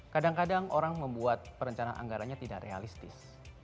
kadang kadang orang membuat perencanaan anggaranya tidak realistis